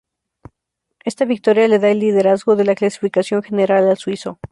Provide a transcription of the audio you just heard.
Esta victoria le da el liderazgo de la clasificación general al suizo.